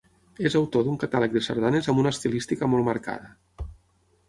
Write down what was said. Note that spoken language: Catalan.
És autor d'un catàleg de sardanes amb una estilística molt marcada.